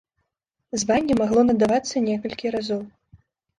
Званне магло надавацца некалькі разоў.